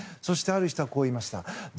そして、ある人はこう言いました。